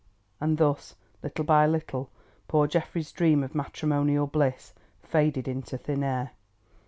And thus, little by little, poor Geoffrey's dream of matrimonial bliss faded into thin air.